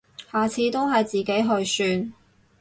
下次都係自己去算